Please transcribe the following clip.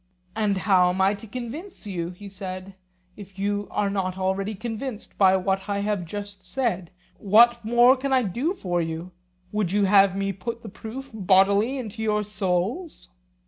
And how am I to convince you, he said, if you are not already convinced by what I have just said; what more can I do for you? Would you have me put the proof bodily into your souls?